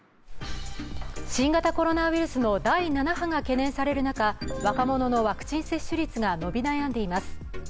新型コロナウイルスの第７波が懸念される中、若者のワクチン接種率が伸び悩んでいます。